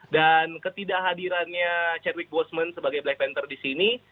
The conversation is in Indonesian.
dan ketidakhadirannya chadwick boseman sebagai black panther di sini